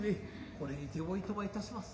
これにておいとまいたします。